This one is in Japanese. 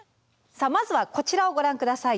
さあまずはこちらをご覧下さい。